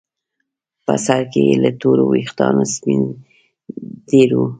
په سر کې یې له تورو ویښتانو سپین ډیر وو.